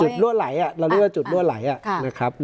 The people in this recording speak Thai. จุดลั่วไหลอ่ะเราเรียกว่าจุดลั่วไหลอ่ะนะครับ